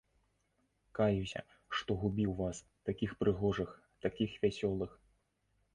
Каюся, што губіў вас, такіх прыгожых, такіх вясёлых!